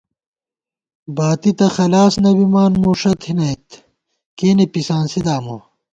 باتی تہ خلاص نہ بِمان ، مُوݭہ تھنَئیت ، کېنے پِسانسی دامہ